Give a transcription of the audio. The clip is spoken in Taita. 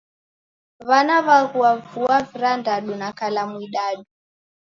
W'ana w'aghua vuo virandadu na kalamu idadu